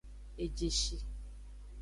Ejeshi.